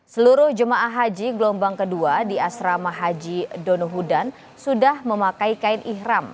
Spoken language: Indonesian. seluruh jemaah haji gelombang kedua di asrama haji donohudan sudah memakai kain ihram